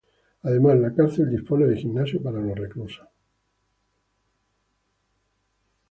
Además, la cárcel dispone de gimnasio para los reclusos.